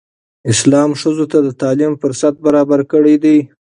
اسلام ښځو ته د تعلیم فرصت برابر کړی دی.